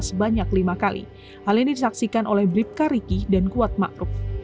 sebanyak lima kali hal ini disaksikan oleh blipka riki dan kuat ma'ruf